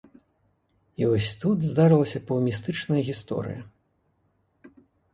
І вось тут здарылася паўмістычная гісторыя.